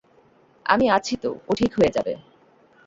আমি আছি তো, ও ঠিক হয়ে যাবে।